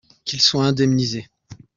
qu'il soit indemnisé.